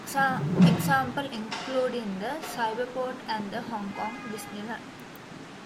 Examples include the Cyberport and the Hong Kong Disneyland.